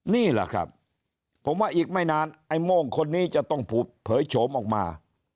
นี่แหละครับผมว่าอีกไม่นานไอ้โม่งคนนี้จะต้องเผยโฉมออกมา